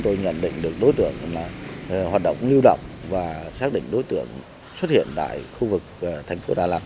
tôi nhận định được đối tượng là hoạt động lưu động và xác định đối tượng xuất hiện tại khu vực thành phố đà lạt